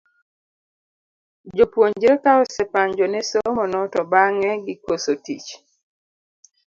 Jopuonjre ka osepanjo ne somo no to bang'e gikoso tich.